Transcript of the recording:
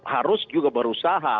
harus juga berusaha